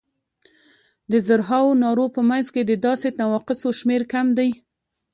د زرهاوو نارو په منځ کې د داسې نواقصو شمېر کم دی.